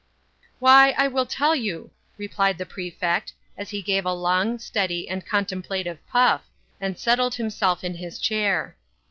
"Why, I will tell you," replied the Prefect, as he gave a long, steady and contemplative puff, and settled himself in his chair.